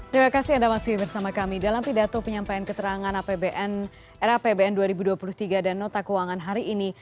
terima kasih anda masih bersama kami dalam pidato penyampaian keterangan apbn era apbn dua ribu dua puluh tiga dan nota keuangan hari ini